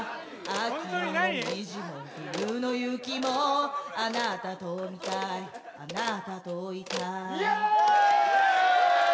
秋の紅葉も冬の雪もあなたと見たいあなたと居たいイエーイ！